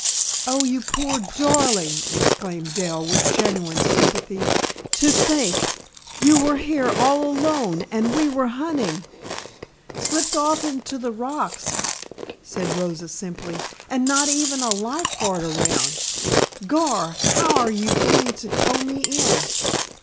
"Oh, you poor darling!" exclaimed Dell with genuine sympathy. "To think you were here all alone, and we were hunting " "Slipped off into the rocks," said Rosa simply, "and not even a life guard around. Gar, how are you going to tow me in?"